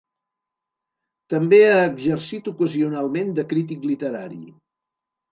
També ha exercit ocasionalment de crític literari.